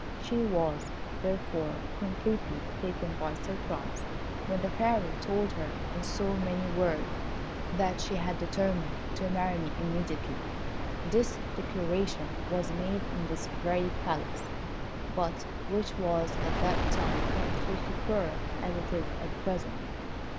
She was, therefore, completely taken by surprise when the Fairy told her, in so many words, that she had determined to marry me immediately. This declaration was made in this very Palace, but which was at that time not so superb as it is at present.